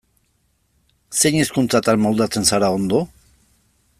Zein hizkuntzatan moldatzen zara ondo?